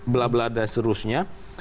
blablabla dan seterusnya